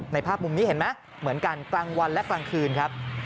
ภาพมุมนี้เห็นไหมเหมือนกันกลางวันและกลางคืนครับ